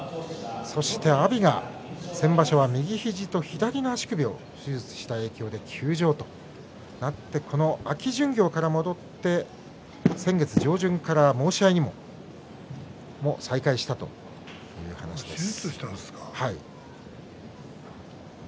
そして阿炎は先場所、右肘と左の足首を手術した影響で休場となって秋巡業から戻って先月上旬からは申し合いも再開したという話です。